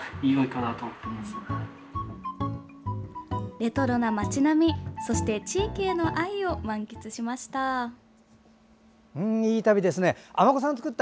レトロな街並みそして地域への愛を満喫しました。